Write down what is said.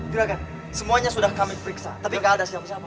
gerakan semuanya sudah kami periksa tapi gak ada siapa siapa